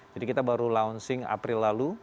jadi kita baru launching april lalu